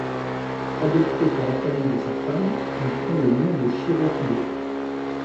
Adopté par la famille de sa femme, il prend le nom de Shirō Kido.